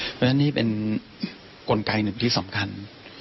เพราะฉะนั้นนี่เป็นกลไกหนึ่งที่สำคัญ